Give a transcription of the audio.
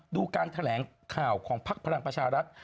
ดูการแถลงข่าวของพักพลังประชารัฐ